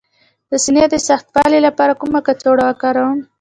د سینې د سختوالي لپاره کومه کڅوړه وکاروم؟